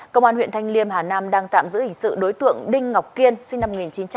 công an huyện thanh liêm hà nam đang tạm giữ hình sự đối tượng đinh ngọc kiên sinh năm một nghìn chín trăm tám mươi